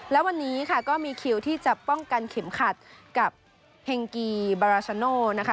และวันนี้ค่ะก็มีคิวที่จะป้องกันเข็มขัดกับเฮงกีบาราชาโนนะคะ